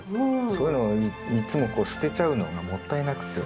そういうのをいっつもこう捨てちゃうのがもったいなくて。